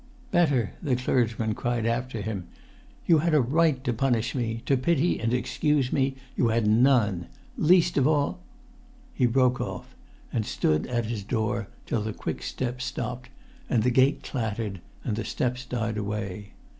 "Better," the clergyman cried after him. "You had a right to punish me; to pity and excuse me you had none. Least of all——" He broke off, and stood at his door till the quick steps stopped, and the gate clattered, and the steps died away.